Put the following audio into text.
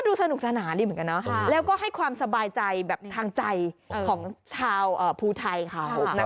ดูสนุกสนานดีเหมือนกันนะแล้วก็ให้ความสบายใจแบบทางใจของชาวภูไทยเขา